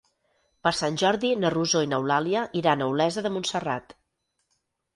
Per Sant Jordi na Rosó i n'Eulàlia iran a Olesa de Montserrat.